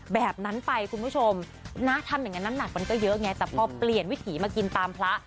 แบบนั้นไปคุณผู้ชมนะทำอย่างนั้นน้ำหนักมันก็เยอะไงแต่พอเปลี่ยนวิถีมากินตามพระ